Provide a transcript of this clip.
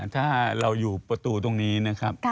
ถ้าเราอยู่ประตูตรงนี้นะครับ